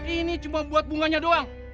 ini cuma buat bunganya doang